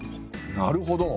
なるほど。